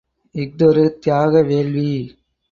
இஃதொரு தியாக வேள்வி.